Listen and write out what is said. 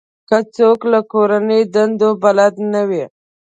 که څوک له کورنۍ دندو بلد نه وي.